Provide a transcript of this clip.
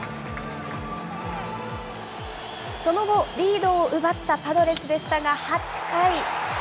その後、リードを奪ったパドレスでしたが、８回。